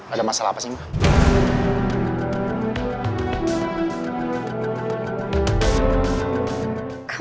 ada masalah apa sih mbak